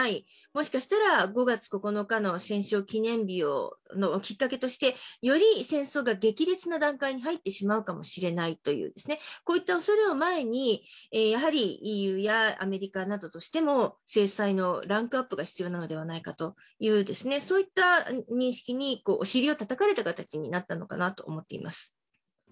もしかしたら、５月９日の戦勝記念日をきっかけとして、より戦争が激烈な段階に入ってしまうかもしれないという、こういったおそれを前に、やはりＥＵやアメリカなどとしても、制裁のランクアップが必要なのではないかという、そういった認識にお尻をたたかれた形になったのかなと思っています。